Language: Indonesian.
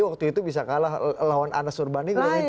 waktu itu bisa kalah lawan anas urbanding